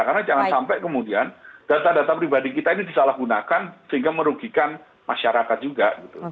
karena jangan sampai kemudian data data pribadi kita ini disalahgunakan sehingga merugikan masyarakat juga